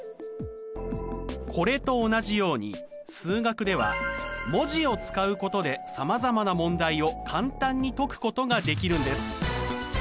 これと同じように数学では文字を使うことでさまざまな問題を簡単に解くことができるんです。